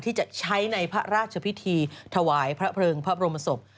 ที่จะใช้ในพระราชพิธีถวายพระเพลิงพระบรมศพ